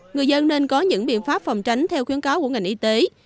người dân nên có những biện pháp phòng tránh theo khuyến cáo của ngành y tế